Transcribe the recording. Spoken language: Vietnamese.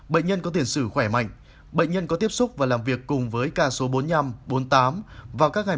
bệnh nhân có tiền sử khỏe mạnh bệnh nhân có tiếp xúc và làm việc cùng với ca số bốn mươi năm bốn mươi tám vào các ngày